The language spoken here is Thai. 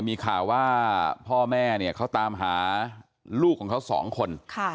มีข่าวว่าพ่อแม่เนี่ยเขาตามหาลูกของเขาสองคน